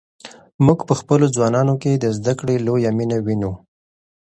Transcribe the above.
موږ په خپلو ځوانانو کې د زده کړې لویه مینه وینو.